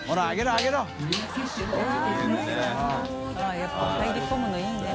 あっやっぱ入り込むのいいね。